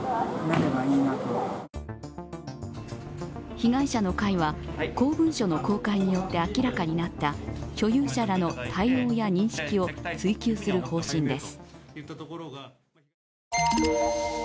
被害者の会は公文書の公開によって明らかになった所有者らの対応や認識を追及する方針です。